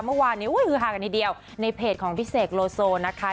เมื่อวานเนี่ยฮือฮากันทีเดียวในเพจของพี่เสกโลโซนะคะ